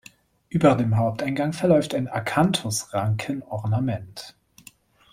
Über dem Haupteingang verläuft ein Akanthusranken-Ornament.